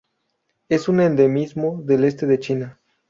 Es un endemismo del este de China.